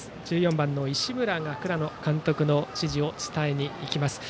１４番の石村が倉野監督の指示を伝えに行きました。